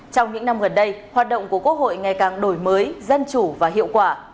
trong những năm gần đây hoạt động của quốc hội ngày càng đổi mới dân chủ và hiệu quả